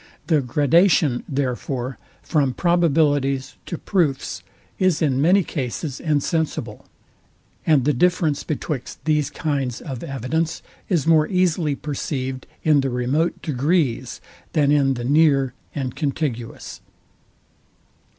The gradation, therefore, from probabilities to proofs is in many cases insensible; and the difference betwixt these kinds of evidence is more easily perceived in the remote degrees, than in the near and contiguous.